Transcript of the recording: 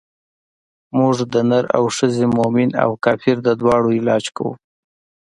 موږ د نر او ښځې مومن او کافر د دواړو علاج کړو.